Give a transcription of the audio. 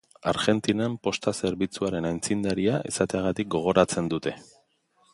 Argentinan posta zerbitzuaren aitzindaria izateagatik gogoratzen dute.